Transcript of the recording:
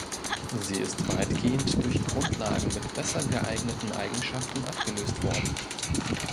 Sie ist weitgehend durch Grundlagen mit besser geeigneten Eigenschaften abgelöst worden.